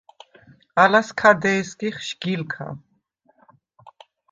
ალას ქა დე̄სგიხ შგილქა.